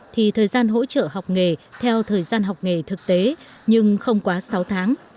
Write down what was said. thì thời gian hỗ trợ học nghề theo thời gian học nghề thực tế nhưng không quá sáu tháng